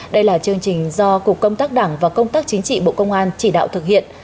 đây là chương trình do cục công tác đảng và công tác chính trị bộ công an chỉ đạo thực hiện